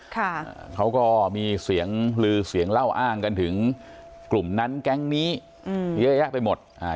เขาก็มีเสียงลือเสียงเล่าอ้างกันถึงกลุ่มนั้นแก๊งนี้อืมเยอะแยะไปหมดอ่า